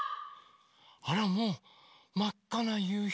あらもうまっかなゆうひ。